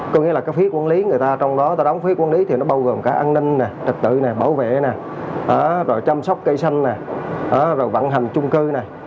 có nghĩa là cái phía quản lý người ta trong đó ta đóng phía quản lý thì nó bao gồm cả an ninh trật tự bảo vệ chăm sóc cây xanh vận hành trung cư